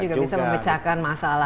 dan ini juga bisa memecahkan masalah